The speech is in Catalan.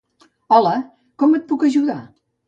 Hola! Com et puc ajudar?